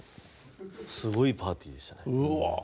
すごいパーティーでしたね。